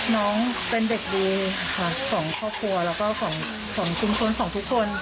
น้องเป็นเด็กดีค่ะของครอบครัวแล้วก็ของชุมชนของทุกคน